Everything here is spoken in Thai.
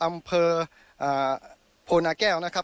และอำเภอโพยนาแก่วนะครับ